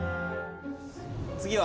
次は？